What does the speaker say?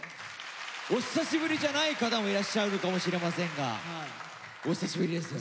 お久しぶりじゃない方もいらっしゃるかもしれませんがお久しぶりです。